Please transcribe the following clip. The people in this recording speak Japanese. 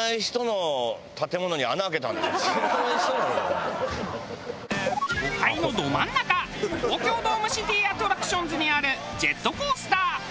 都会のど真ん中東京ドームシティアトラクションズにあるジェットコースター。